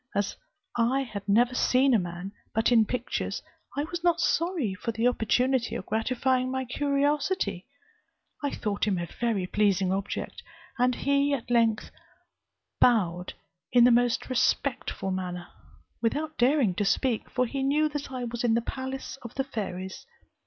As I had never seen a man, but in pictures, I was not sorry for the opportunity of gratifying my curiosity. I thought him a very pleasing object, and he at length bowed in the most respectful manner, without daring to speak, for he knew that I was in the palace of the fairies.